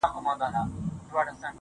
او یا هم له ټمبلیه نه پورته کیږي